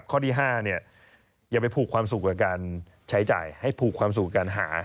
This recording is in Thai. ข้อที่๕เนี่ยอย่าไปผูกความสุขกับการใช้จ่ายให้ผูกความสุขกับการหา